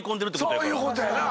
そういうことやな。